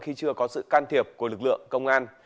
khi chưa có sự can thiệp của lực lượng công an